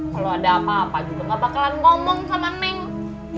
kalau ada apa apa gitu gak bakalan ngomong sama neng